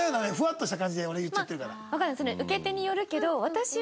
受け手によるけど私は。